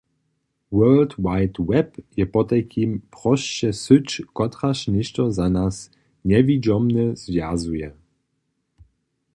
World Wide Web je potajkim prosće syć, kotraž něšto za nas njewidźomne zwjazuje.